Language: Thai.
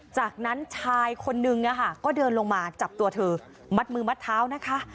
จากนั้นชายคนนึงนะคะก็เดินลงมาจับตัวเธอมัดมือมัดเท้านะคะ